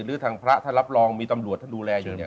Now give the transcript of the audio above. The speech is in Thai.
หรือทางพระท่านรับรองมีตำรวจท่านดูแลอยู่เนี่ย